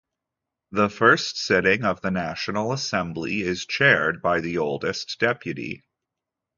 The first sitting of the National Assembly is chaired by the oldest deputy.